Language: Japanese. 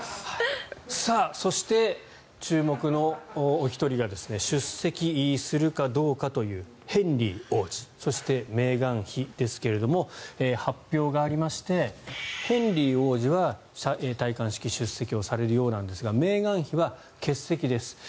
そして、注目のお一人が出席するかどうかというヘンリー王子そしてメーガン妃ですが発表がありましてヘンリー王子は戴冠式出席をされるようなんですがメーガン妃は欠席です。